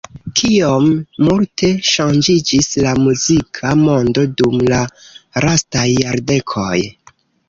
Kiom multe ŝanĝiĝis la muzika mondo dum la lastaj jardekoj!